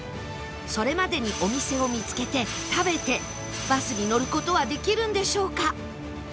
それまでにお店を見つけて食べてバスに乗る事はできるんでしょうか？